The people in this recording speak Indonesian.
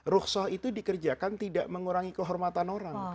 rukso itu dikerjakan tidak mengurangi kehormatan orang